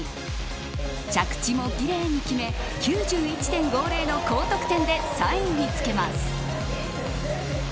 着地も綺麗に決め９１．５０の高得点で３位につけます。